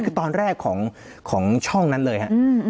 คือตอนแรกของช่องนั้นเลยฮะ